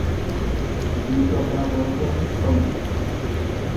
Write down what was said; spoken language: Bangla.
গীত রচনা করেছেন সমীর।